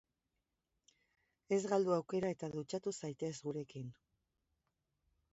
Ez galdu aukera eta dutxatu zaitez gurekin!